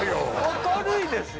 明るいですよ